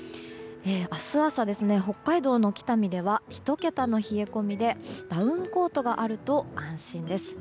明日朝、北海道の北見では１桁の冷え込みでダウンコートがあると安心です。